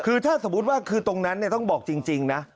คือถ้าสมมุติว่าคือตรงนั้นต้องบอกจริงนะ